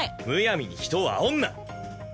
むやみに人をあおんな！